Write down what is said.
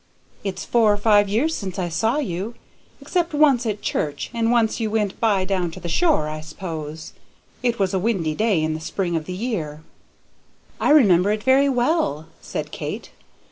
It's four or five years since I saw you, except once at church, and once you went by, down to the shore, I suppose. It was a windy day in the spring of the year." "I remember it very well," said Kate.